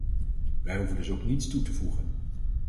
Wij hoeven dus ook niets toe te voegen.